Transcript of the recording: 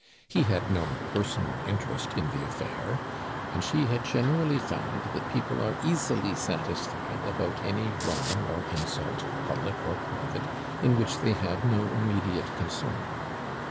He had no personal interest in the affair; and she had generally found that people are easily satisfied about any wrong or insult, public or private, in which they have no immediate concern.